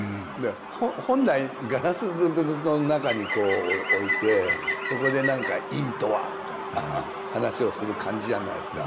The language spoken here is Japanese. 本来ガラスの中にこう置いてそこで何か「殷とは」みたいな話をする感じじゃないですか。